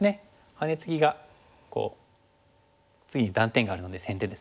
ハネツギが次に断点があるので先手ですね。